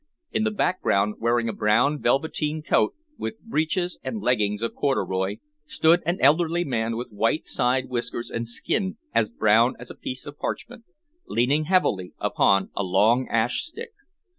In the background, wearing a brown velveteen coat, with breeches and leggings of corduroy, stood an elderly man with white side whiskers and skin as brown as a piece of parchment, leaning heavily upon a long ash stick.